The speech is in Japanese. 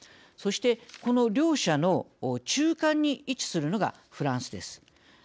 そして、この両者の中間に位置するのがフランスです。